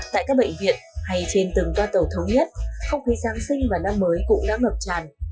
tại các bệnh viện hay trên từng toa tàu thống nhất không khí giáng sinh và năm mới cũng đã ngập tràn